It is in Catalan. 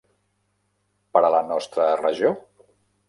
Per a la nostra regió?